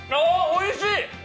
おいしい！